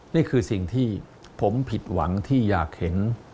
นี่คือสิ่งที่ผมผิดหวังที่อยากเห็น